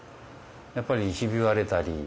やっぱりひび割れたり。